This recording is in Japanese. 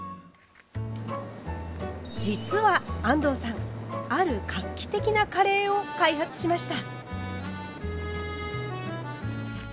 実は、安藤さんある画期的なカレーを開発しました。